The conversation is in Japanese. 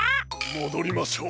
もどりましょう。